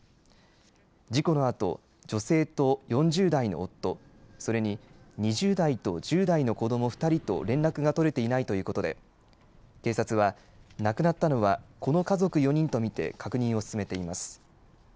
事故のあと、女性と４０代の夫、それに２０代と１０代の子ども２人と連絡が取れていないということで警察は亡くなったのはこの家族４人と見て確認を進めています。